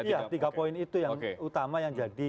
iya tiga poin itu yang utama yang jadi